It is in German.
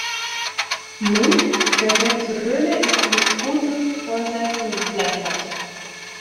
Nun, der Weg zur Hölle ist mit guten Vorsätzen gepflastert.